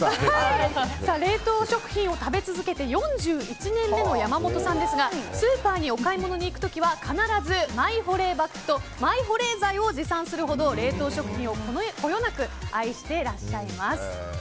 冷凍食品を食べ続けて４１年目の山本さんですがスーパーにお買い物に行く時は必ず、マイ保冷バッグとマイ保冷剤を持参するほど冷凍食品をこよなく愛してらっしゃいます。